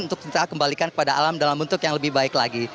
untuk kita kembalikan kepada alam dalam bentuk yang lebih baik lagi